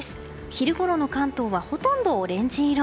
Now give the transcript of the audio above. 昼ごろの関東はほとんどオレンジ色。